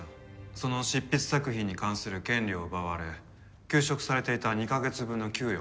その執筆作品に関する権利を奪われ休職されていた２カ月分の給与